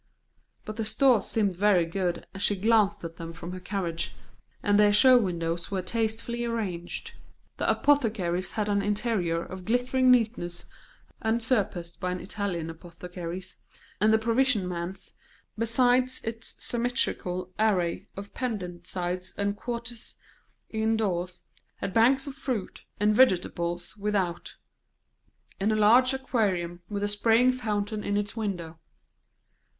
But the stores seemed very good, as she glanced at them from her carriage, and their show windows were tastefully arranged; the apothecary's had an interior of glittering neatness unsurpassed by an Italian apothecary's; and the provision man's, besides its symmetrical array of pendent sides and quarters indoors, had banks of fruit and vegetables without, and a large aquarium with a spraying fountain in its window.